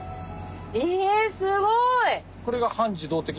えすごい！